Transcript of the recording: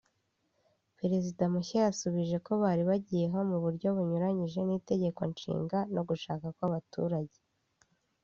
Perezida mushya yasubije ko bari bagiyeho mu buryo bunyuranyije n’itegekonshinga no gushaka kw’abaturage